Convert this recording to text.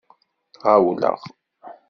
Ɣawleɣ.